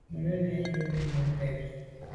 Me lo yen nyu à lem.